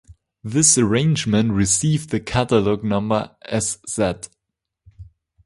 This arrangement received the catalog numbers Sz.